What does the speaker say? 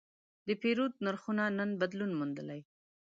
د پیرود نرخونه نن بدلون موندلی.